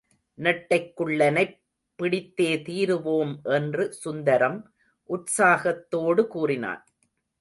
நெட்டைக்குள்ளனைப் பிடித்தே தீருவோம் என்று சுந்தரம் உற்சாகத்தோடு கூறினான்.